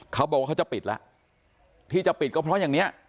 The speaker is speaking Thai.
เขาบอกว่าเขาจะปิดแล้วที่จะปิดก็เพราะอย่างเนี้ย